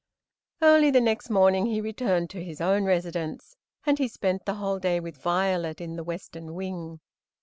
Early the next morning he returned to his own residence, and he spent the whole day with Violet in the western wing.